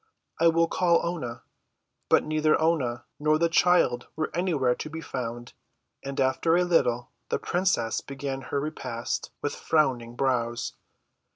"I will call Oonah." But neither Oonah nor the child were anywhere to be found, and after a little the princess began her repast with frowning brows.